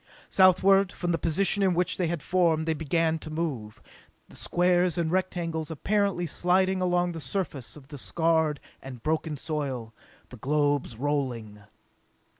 Southward from the position in which they had formed they began to move, the squares and rectangles apparently sliding along the surface of the scarred and broken soil, the globes rolling.